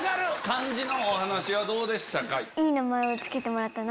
漢字のお話はどうでしたか？